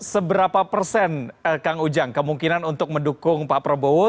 seberapa persen kang ujang kemungkinan untuk mendukung pak prabowo